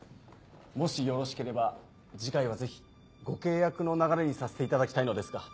もしよろしければ次回はぜひご契約の流れにさせていただきたいのですが。